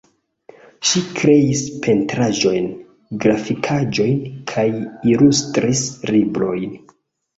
Ŝi kreis pentraĵojn, grafikaĵojn kaj ilustris librojn.